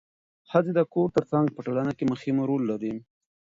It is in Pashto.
ښځې د کور ترڅنګ په ټولنه کې مهم رول لري